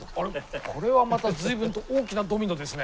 これはまた随分と大きなドミノですね。